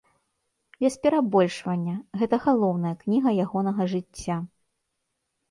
Без перабольшвання, гэта галоўная кніга ягонага жыцця.